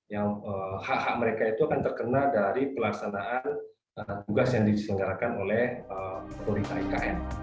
yang hak hak mereka itu akan terkena dari pelaksanaan tugas yang diselenggarakan oleh otoritas ikn